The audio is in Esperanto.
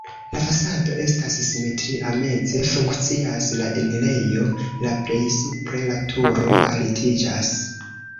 La fasado estas simetria, meze funkcias la enirejo, la plej supre la turo altiĝas.